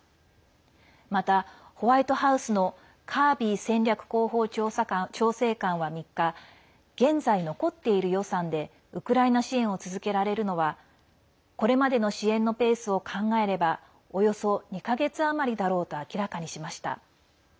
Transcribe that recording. また、ホワイトハウスのカービー戦略広報調整官は３日現在、残っている予算でウクライナ支援を続けられるのはこれまでの支援のペースを考えればおよそ２か月余りだろうと明らかにしました。